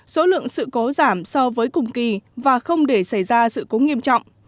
số lượng sự cố giảm so với cùng kỳ và không để xảy ra sự cố nghiêm trọng